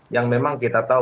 yang memang kita tahu